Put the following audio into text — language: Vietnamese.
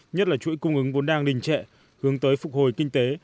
nhất là chuỗi cung ứng vốn đang đình trệ hướng tới phục hồi kinh tế